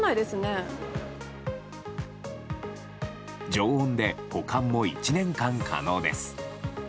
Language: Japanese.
常温で保管も１年間可能です。